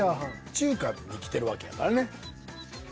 中華に来てるわけやからね。